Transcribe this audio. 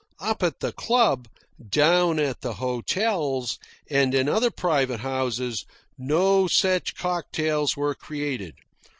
Up at the club, down at the hotels, and in other private houses, no such cocktails were created.